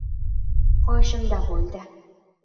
qoshimda bo‘ldi.